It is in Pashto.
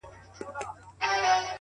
ها دی سلام يې وکړ-